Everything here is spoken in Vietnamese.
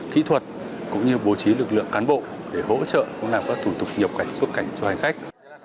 kỹ thuật cũng như bố trí lực lượng cán bộ để hỗ trợ làm các thủ tục nhập cảnh xuất cảnh cho hành khách